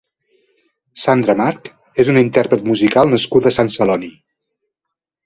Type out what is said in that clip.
Sandra March és una intérpret musical nascuda a Sant Celoni.